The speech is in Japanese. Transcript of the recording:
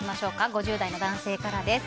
５０代の男性からです。